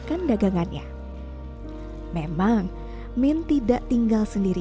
pernah mengerti bahwa dirinya dia tahu lebih dari aku dan aku sendiri